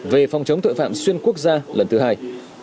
về phòng chống tội phạm xuyên quốc gia lần thứ hai